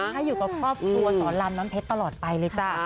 ให้อยู่กับครอบครัวสอนลำน้ำเพชรตลอดไปเลยจ้ะ